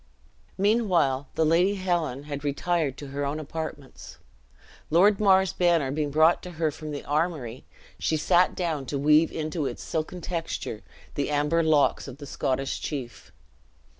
Meanwhile the Lady Helen had retired to her own apartments. Lord Mar's banner being brought to her from the armory, she sat down to weave into its silken texture the amber locks of the Scottish chief.